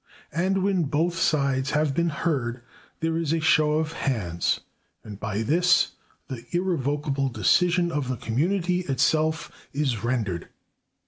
"And when both sides have been heard, there is a show of hands; and by this the irrevocable decision of the community itself is rendered."